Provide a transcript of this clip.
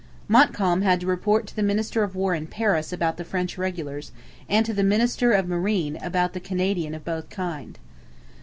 Montcalm had to report to the minister of War in Paris about the French regulars, and to the minister of Marine about the Canadians of both kinds.